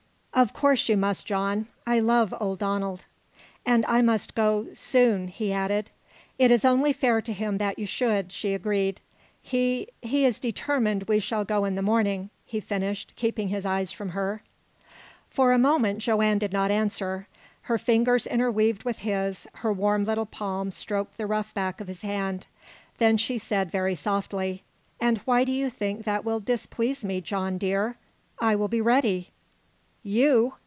"Of course, you must, John. I love old Donald." "And I must go soon," he added. "It is only fair to him that you should," she agreed. "He he is determined we shall go in the morning," he finished, keeping his eyes from her. For a moment Joanne did not answer. Her fingers interweaved with his, her warm little palm stroked the rough back of his hand. Then she said, very softly: "And why do you think that will displease me, John, dear? I will be ready!" "You!"